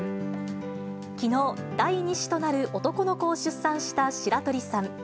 きのう、第２子となる男の子を出産した白鳥さん。